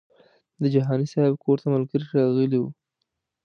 د جهاني صاحب کور ته ملګري راغلي وو.